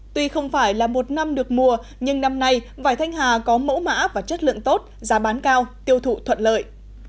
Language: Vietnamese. tuy không phải là một năm được mùa nhưng năm nay vải thanh hà có mẫu mã và chất lượng tốt giá bán cao tiêu thụ thuận lợi